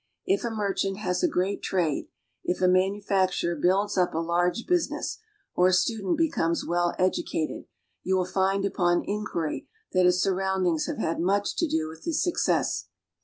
If a merchant has a great trade, if a manu facturer builds up a large business, or a student becomes well educated, you will find upon inquiry that his surround ings have had much to do with his success.